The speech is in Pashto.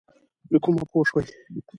له کومه پوه شوې؟